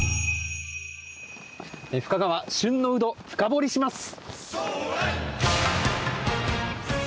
深川旬のウド深掘りします！